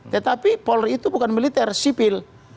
tetapi polri itu bukan militer sipil